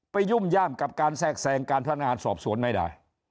ยุ่มย่ามกับการแทรกแทรงการพนักงานสอบสวนไม่ได้